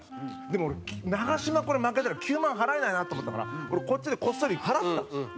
でもナガシマこれ負けたら９万払えないなと思ったからこっちでこっそり払ったんですよ。